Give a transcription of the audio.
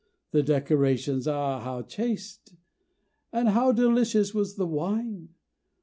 The decorations, ah, how chaste! And how delicious was the wine!